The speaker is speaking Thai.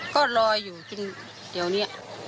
ก็รออยู่กินเดี๋ยวนี้